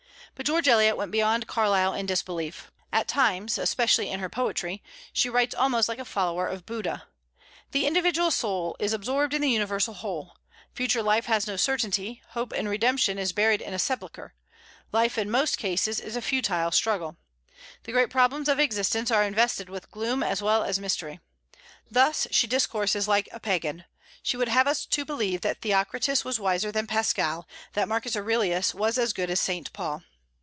But George Eliot went beyond Carlyle in disbelief. At times, especially in her poetry, she writes almost like a follower of Buddha. The individual soul is absorbed in the universal whole; future life has no certainty; hope in redemption is buried in a sepulchre; life in most cases is a futile struggle; the great problems of existence are invested with gloom as well as mystery. Thus she discourses like a Pagan. She would have us to believe that Theocritus was wiser than Pascal; that Marcus Aurelius was as good as Saint Paul.